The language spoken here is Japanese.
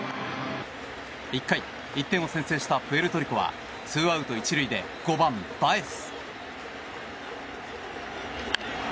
１回、１点を先制したプエルトリコはツーアウト１塁で５番、バエス。